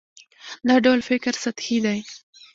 دا ډول فکر سطحي دی.